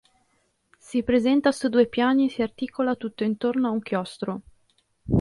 Si presenta su due piani e si articola tutto intorno a un chiostro.